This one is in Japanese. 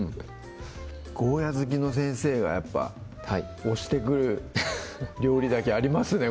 ゴーヤ好きの先生がやっぱ推してくる料理だけありますね